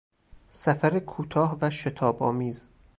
سفر کوتاه و شتابآمیز